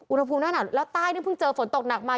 อุณหภูมิหน้าหนาวแล้วใต้เพิ่งเจอฝนตกหนักมา